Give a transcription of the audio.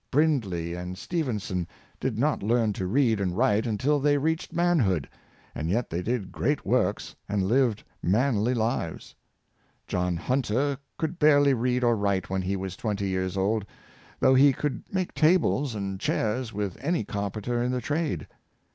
Brindley and Stephenson did not learn to read and write until they reached manhood, and yet they did great works and lived manly lives; John Hunter could barely read or write when he was twenty years old, though he could make tables and chairs with any carpenter m the trade.